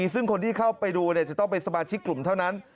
ซึ่งคนที่เข้าไปดูจะต้องเป็นสมาชิกกลุ่มเท่านั้น